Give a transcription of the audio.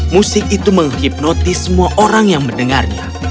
musik itu menghipnotis semua orang yang mendengarnya